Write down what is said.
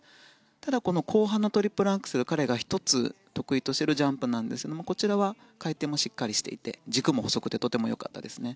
ただ、後半のトリプルアクセルは彼が１つ、得意としているジャンプなんですけどもこちらは回転もしっかりしていて軸も細くてとても良かったですね。